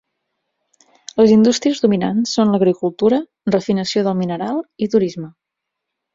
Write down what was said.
Les indústries dominants són l'agricultura, refinació del mineral i turisme.